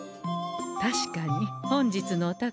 確かに本日のお宝